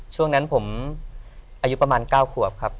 ช่วงนั้นผมอายุประมาณ๙ขวบครับ